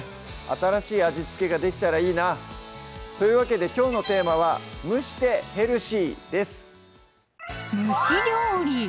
新しい味付けができたらいいなというわけできょうのテーマは「蒸してヘルシー」です